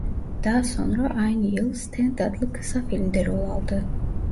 Daha sonra aynı yıl "Stand" adlı kısa filmde rol aldı.